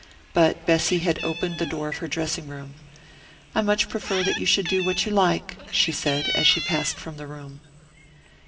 But Bessy had opened the door of her dressing room. "I much prefer that you should do what you like," she said as she passed from the room.